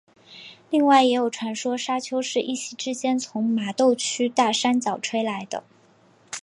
另外也有传说砂丘是一夕之间从麻豆区大山脚吹来的。